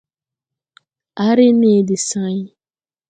À re ne de sãy.